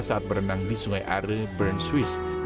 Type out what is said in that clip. saat berenang di sungai are bern swiss